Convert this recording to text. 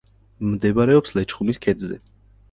მდებარეობს ლეჩხუმის ქედზე.